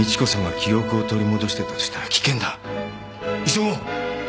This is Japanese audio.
急ごう！